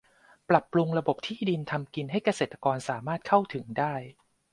ปรับปรุงระบบที่ดินทำกินให้เกษตรกรสามารถเข้าถึงได้